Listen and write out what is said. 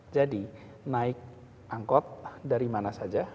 jadi naik angkut dari mana saja